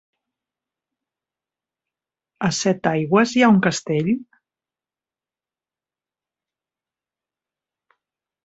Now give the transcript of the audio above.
A Setaigües hi ha un castell?